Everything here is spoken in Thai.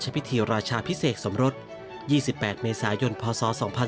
พิธีราชาพิเศษสมรส๒๘เมษายนพศ๒๕๖๒